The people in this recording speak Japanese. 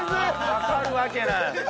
わかるわけない！